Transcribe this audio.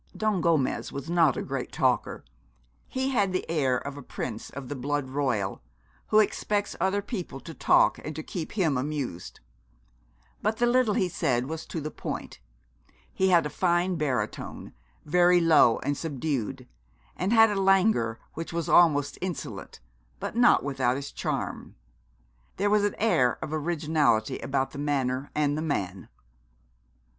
Don Gomez was not a great talker. He had the air of a prince of the blood royal, who expects other people to talk and to keep him amused. But the little he said was to the point. He had a fine baritone, very low and subdued, and had a languor which was almost insolent, but not without its charm. There was an air of originality about the manner and the man.